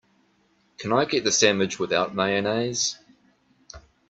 Can I get the sandwich without mayonnaise?